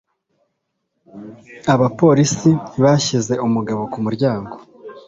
Abapolisi bashyize umugabo ku muryango.